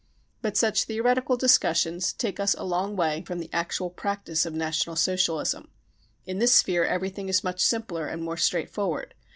But such theoreticaPdiscussions take us a long way from the actual practice of National Socialism. In this sphere everything is much simpler and more straightforward.